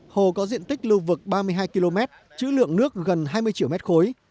hồ có diện tích lưu vực ba mươi hai km chữ lượng nước gần hai mươi triệu mét khối